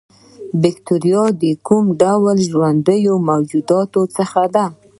باکتریا د کوم ډول ژوندیو موجوداتو څخه ده